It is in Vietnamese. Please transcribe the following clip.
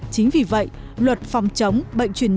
chính vì vậy luật phòng chống bệnh truyền thống